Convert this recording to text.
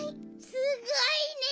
すごいね！